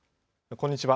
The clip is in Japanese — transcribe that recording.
こんにちは。